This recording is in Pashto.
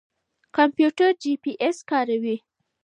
کمپيوټر جيپي اېس کاروي.